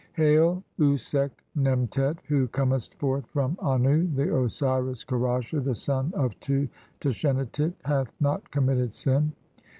"Hail, Usekh nemtet, who comest forth from Annu, "the Osiris Kerasher, the son of (2) Tashenatit, hath "not committed sin."